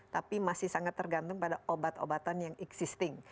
tapi masih sangat tergantung pada obat obatan yang existing